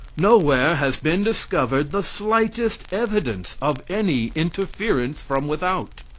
Nowhere has been discovered the slightest evidence of any interference from without.